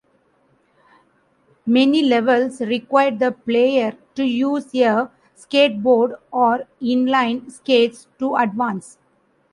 Many levels require the player to use a skateboard or inline skates to advance.